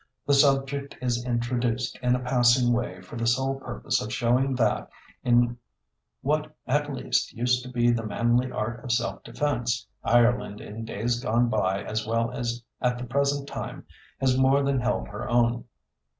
The subject is introduced, in a passing way, for the sole purpose of showing that, in what at least used to be the manly art of self defense, Ireland in days gone by as well as at the present time has more than held her own.